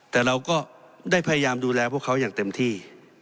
แต่เราก็ได้พยายามดูแลพวกเขาอย่างเต็มที่